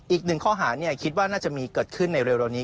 อีกหนึ่งข้อหาคิดว่าน่าจะมีเกิดขึ้นในเร็วนี้